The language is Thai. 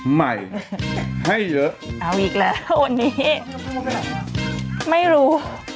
ใหม่ให้เยอะเอาอีกแล้ววันนี้ไม่รู้